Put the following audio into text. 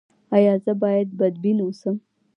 ایا زه باید بدبین اوسم؟